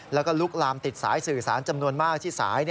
แล้วก็ลุกลามติดสายสื่อสารจำนวนมากที่สาย